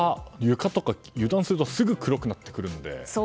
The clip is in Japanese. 床とか、油断するとすぐ黒くなってくるので。